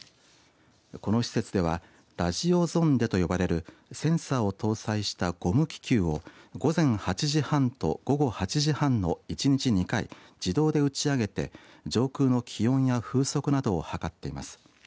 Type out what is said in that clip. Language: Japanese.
この施設ではラジオゾンデと呼ばれるセンサーを搭載したゴム気球を午前８時半と午後８時半の１日２回自動で打ち上げて上空の気温や風速などを測っています。